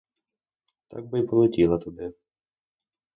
Так би й полетіла туди.